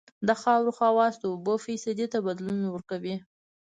د خاورې خواص د اوبو فیصدي ته بدلون کوي